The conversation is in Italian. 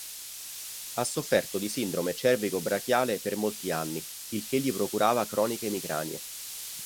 Ha sofferto di sindrome cervico-brachiale per molti anni, il che gli procurava croniche emicranie.